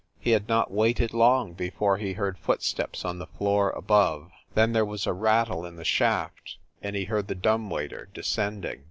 He had not waited long be fore he heard footsteps on the floor above; then there was a rattle in the shaft, and he heard the dumb waiter descending.